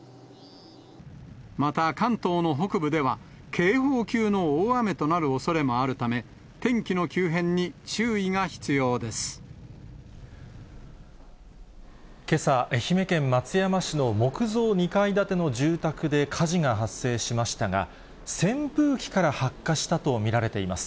また、関東の北部では、警報級の大雨となるおそれもあるため、天気の急変に注意が必要でけさ、愛媛県松山市の木造２階建ての住宅で火事が発生しましたが、扇風機から発火したと見られています。